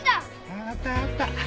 わかったわかった。